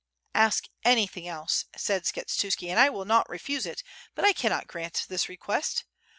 "Ask anything else," said Skshetuski, "and I will not refuse it, but I cannot grant this request.